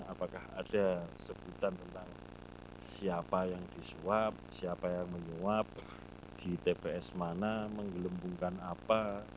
apakah ada sebutan tentang siapa yang disuap siapa yang menyuap di tps mana menggelembungkan apa